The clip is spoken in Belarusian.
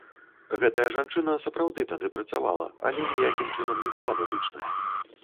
Гэтая жанчына, сапраўды, тады працавала, але ніякім чынам не была датычная.